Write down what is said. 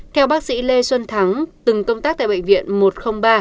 theo bác sĩ lê xuân thắng từng công tác tại bệnh viện một trăm linh ba